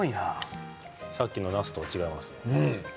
さっきのなすとは違います。